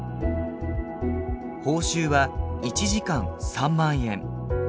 報酬は１時間３万円。